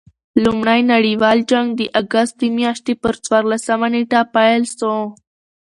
لومړي نړۍوال جنګ د اګسټ د میاشتي پر څوارلسمه نېټه پيل سو.